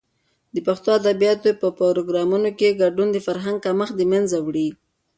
د پښتو ادبیاتو په پروګرامونو کې ګډون، د فرهنګ کمښت د منځه وړي.